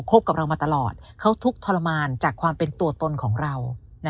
กับเรามาตลอดเขาทุกข์ทรมานจากความเป็นตัวตนของเรา